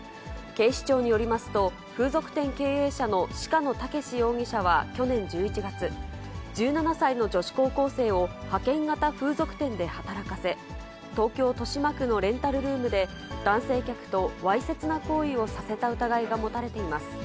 警視庁によりますと、風俗店経営者の鹿野健容疑者は去年１１月、１７歳の女子高校生を派遣型風俗店で働かせ、東京・豊島区のレンタルルームで、男性客とわいせつな行為をさせた疑いが持たれています。